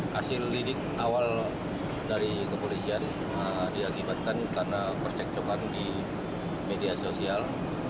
hasil lidik awal dari kepolisian diakibatkan karena percekcokan di media sosial